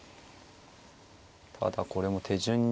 ただこれも手順に。